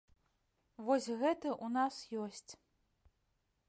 Вось гэты ў нас ёсць.